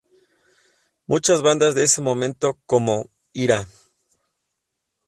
Muchas bandas de ese momento como "Ira!